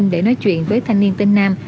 để nói chuyện với thanh niên tên nam